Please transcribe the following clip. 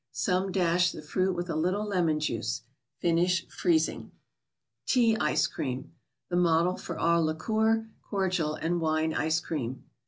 Some " dash " the fruit with a little lemon juice. Finish freezing. Cca ScC'Cream. The Model for all Liqueur , Cordial and Wine Ice Cream